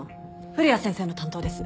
古谷先生の担当です。